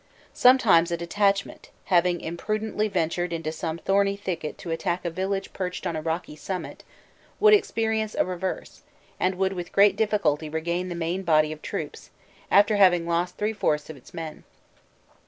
Sometimes a detachment, having imprudently ventured into some thorny thicket to attack a village perched on a rocky summit, would experience a reverse, and would with great difficulty regain the main body of troops, after having lost three fourths of its men.